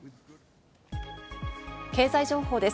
経済情報です。